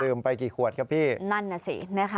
ดื่มไปกี่ขวดครับพี่นะคะนั่นน่ะสิ